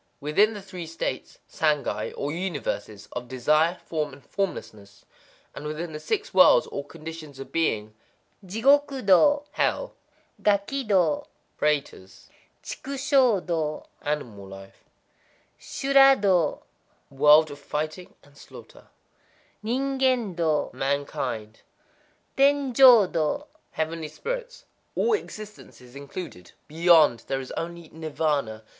Within the Three States (Sangai), or universes, of Desire, Form, and Formlessness; and within the Six Worlds, or conditions of being,—Jigokudō (Hell), Gakidō (Pretas), Chikushōdō (Animal Life), Shuradō (World of Fighting and Slaughter), Ningendō (Mankind), Tenjōdō (Heavenly Spirits)—all existence is included. Beyond there is only Nirvâna.